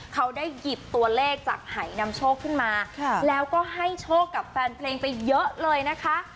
เขาได้หยิบตัวเลขจากหายนำโชคขึ้นมาแล้วก็ให้โชคกับแฟนเพลงไปเยอะเลยนะคะ